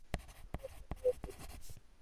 আরও পনেরো দিন।